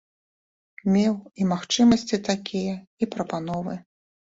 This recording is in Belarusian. Меў і магчымасці такія, і прапановы.